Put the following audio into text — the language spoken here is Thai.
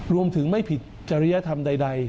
รวมถึงไม่ผิดจริยธรรมใด